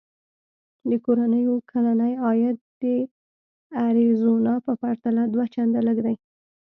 د کورنیو کلنی عاید د اریزونا په پرتله دوه چنده لږ دی.